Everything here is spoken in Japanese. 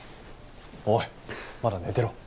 おいまだ寝てろ。